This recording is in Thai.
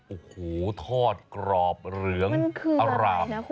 โอ้โหทอดกรอบเหลืองอร่าม